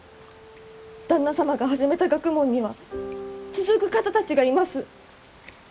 旦那様が始めた学問には続く方たちがいます。